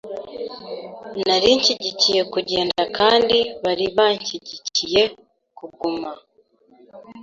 Nari nshyigikiye kugenda kandi bari bashyigikiye kuguma.